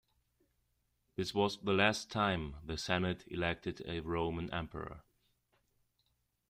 This was the last time the Senate elected a Roman Emperor.